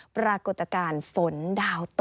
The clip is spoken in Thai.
ปรากฏการณ์ฝนดาวตก